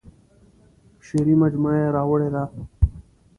شعري مجموعه یې راوړې وه.